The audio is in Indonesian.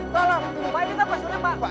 pak ini apa surip pak